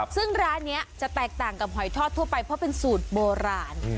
ซึ่งร้านนี้จะแตกต่างกับหอยทอดทั่วไปเพราะเป็นสูตรโบราณ